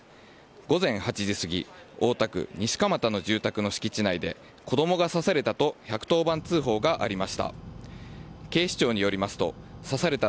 午前８時すぎ大田区西蒲田の住宅の敷地内で子供が刺されたと１１０番通報がありました。